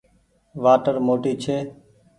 وآٽر موٽي ڇي۔